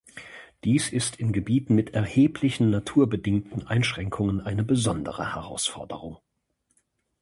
Dies ist in Gebieten mit erheblichen naturbedingten Einschränkungen eine besondere Herausforderung.